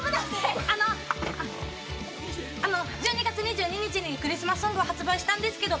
１２月２２日にクリスマスソングを発売したんです。